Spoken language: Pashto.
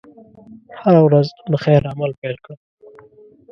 هره ورځ د خیر عمل پيل کړه.